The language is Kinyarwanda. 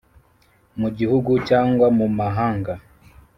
mu gihugu cyangwa mu mahanga